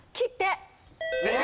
正解！